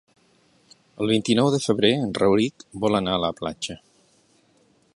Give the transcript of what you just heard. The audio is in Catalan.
El vint-i-nou de febrer en Rauric vol anar a la platja.